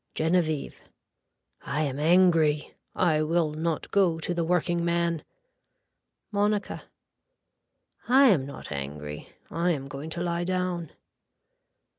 (Genevieve.) I am angry. I will not go to the workingman. (Monica.) I am not angry I am going to lie down.